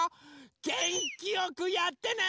げんきよくやってね！